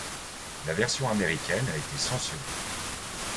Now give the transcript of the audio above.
La version américaine a été censurée.